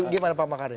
gimana pak pak karim